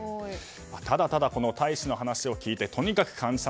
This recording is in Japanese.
ただ、大使の話を聞いてとにかく感謝